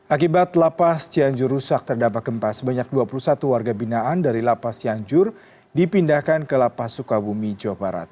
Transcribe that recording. akibat lapas cianjur rusak terdapat gempa sebanyak dua puluh satu warga binaan dari lapas cianjur dipindahkan ke lapas sukabumi jawa barat